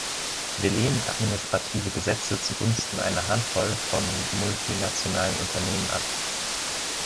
Wir lehnen administrative Gesetze zugunsten einer Handvoll von multinationalen Unternehmen ab.